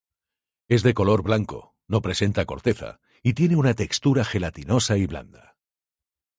Es de color blanco, no presenta corteza y tiene una textura gelatinosa y blanda.